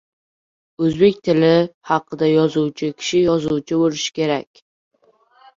O‘zbek tili haqida yozuvchi kishi yozuvchi bo‘lishi kerak.